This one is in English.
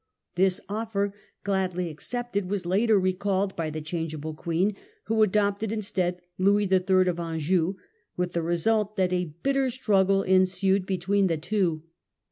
This offer, gladly accepted, was later recalled by the changeable Queen, who adopted instead Louis III. of Anjou, with the result that a bitter struggle en sued between the two.